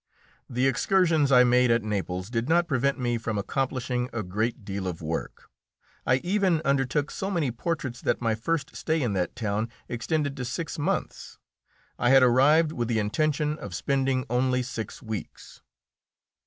The excursions I made at Naples did not prevent me from accomplishing a great deal of work. I even undertook so many portraits that my first stay in that town extended to six months. I had arrived with the intention of spending only six weeks.